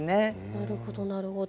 なるほどなるほど。